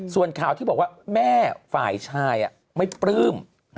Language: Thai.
ส่วนข่าวที่บอกว่าแม่ฝ่ายชายไม่ปลื้ม